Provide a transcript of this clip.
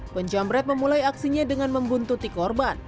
penjamret memulai aksinya dengan membuntuti korban